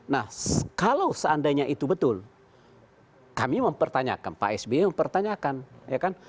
nah kalau seandainya itu betul kami mempertanyakan pak sby mempertanyakan ya kan